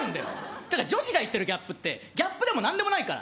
っていうか、女子が言ってるギャップってギャップでも何でもないから。